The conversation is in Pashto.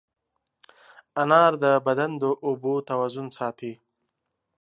انار د بدن د اوبو توازن ساتي.